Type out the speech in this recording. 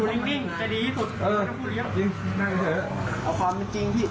ติดมาแล้วยังคงไม่มีเพลิกเอาก่อนร้าน๔สำคัญ